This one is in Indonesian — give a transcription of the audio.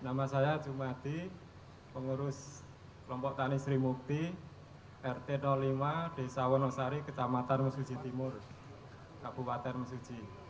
nama saya jumadi pengurus kelompok tani sri mukti rt lima desa wonosari kecamatan mesuji timur kabupaten mesuji